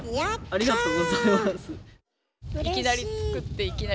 ありがとうございます。